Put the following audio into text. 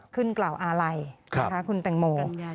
กล่าวอาลัยคุณแตงโม